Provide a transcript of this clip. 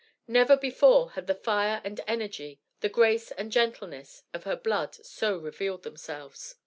Never before had the fire and energy, the grace and gentleness, of her blood so revealed themselves.